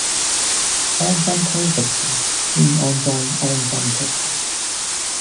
安心偷食前先安裝安心出行